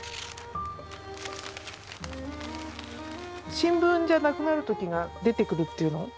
新聞じゃなくなる時が出てくるっていうの。